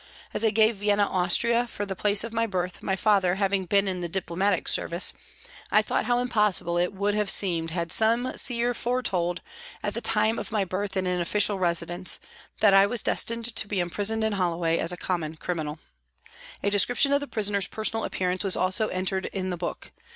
As I gave " Vienna, Austria," for the place of my birth, my father having been in the diplomatic service, I thought how impossible it would have seemed had some seer foretold, at the time of my birth in an official residence, that I was destined to be HOLLOWAY PRISON 75 imprisoned in Holloway as a common criminal. A description of the prisoner's personal appearance was also entered in the book.